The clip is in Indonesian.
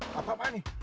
wah apa apaan nih